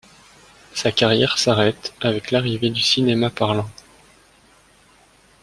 Sa carrière s'arrête avec l'arrivée du cinéma parlant.